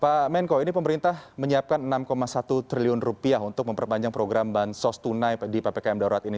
pak menko ini pemerintah menyiapkan enam satu triliun rupiah untuk memperpanjang program bansos tunai di ppkm darurat ini